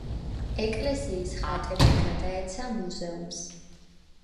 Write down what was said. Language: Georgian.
ეკლესიის ხატები გადაეცა მუზეუმს.